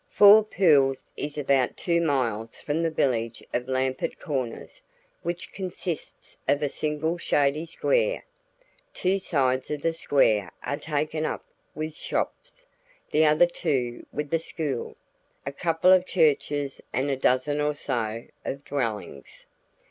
Four Pools is about two miles from the village of Lambert Corners which consists of a single shady square. Two sides of the square are taken up with shops, the other two with the school, a couple of churches, and a dozen or so of dwellings.